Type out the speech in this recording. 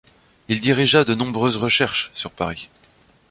Il dirigea de nombreuses recherches sur Paris.